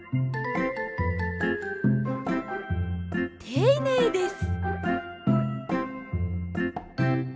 ていねいです。